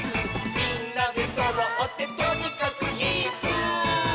「みんなでそろってとにかくイス！」